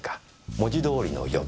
文字通りの予備。